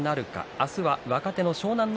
明日は若手の湘南乃